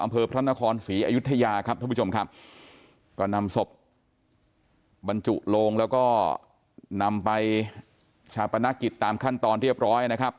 พระนครศรีอยุธยาครับท่านผู้ชมครับก็นำศพบรรจุโลงแล้วก็นำไปชาปนกิจตามขั้นตอนเรียบร้อยนะครับ